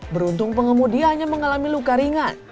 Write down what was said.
beruntung pengemudi hanya mengalami luka ringan